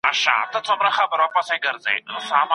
افلاطون په کوم کتاب کي بحث کړی دی؟